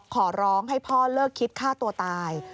ขอร้องให้พ่อเลิกคิดฆ่าตัวตาย